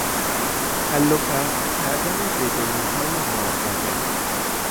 حل و فصل کردن بدهیهای معوقه